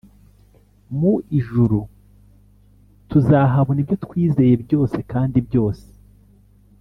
Mui juru tuzahabona ibyo twizeye byose kandi byose